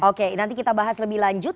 oke nanti kita bahas lebih lanjut